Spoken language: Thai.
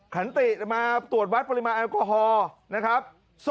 ขันติมาตรวจวัดปริมาณแอลกอฮอล์นะครับ